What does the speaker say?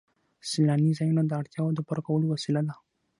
سیلاني ځایونه د اړتیاوو د پوره کولو وسیله ده.